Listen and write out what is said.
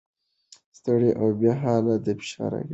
ستړیا او بې حالي د فشار اغېز ښيي.